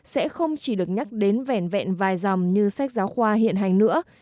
sẽ không chỉ được nhắc đến vẻn vẹn vài dòng như sách giáo khoa hiện hành nữa